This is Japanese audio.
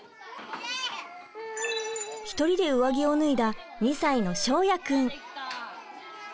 一人で上着を脱いだ２歳の翔也くん。